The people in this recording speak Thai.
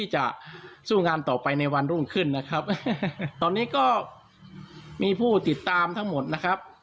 จะสู้งานต่อไปในวันรุ่งขึ้นนะครับตอนนี้ก็มีผู้ติดตามทั้งหมดนะครับ